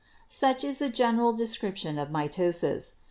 Such is a general description of mitosis.